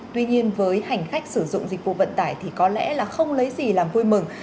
tuy nhiên với hành khách sử dụng dịch vụ vận tải thì có lẽ là không lấy gì làm vui mừng